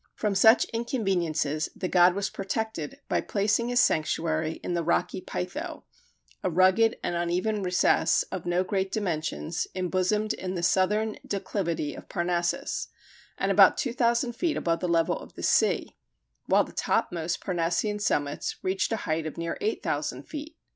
From such inconveniences the god was protected by placing his sanctuary "in the rocky Pytho" a rugged and uneven recess, of no great dimensions, embosomed in the southern declivity of Parnassus, and about two thousand feet above the level of the sea, while the topmost Parnassian summits reach a height of near eight thousand feet.